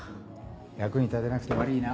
役に立てなくて悪ぃな。